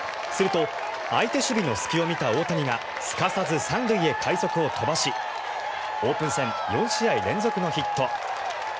すると相手守備の隙を見た大谷がすかさず３塁へ快足を飛ばしオープン戦４試合連続のヒット。